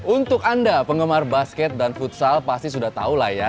untuk anda penggemar basket dan futsal pasti sudah tahu lah ya